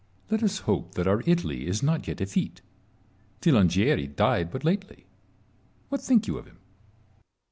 Salomon. Let us hope that our Italy is not yet effete. Filangieri died but lately : what think you of him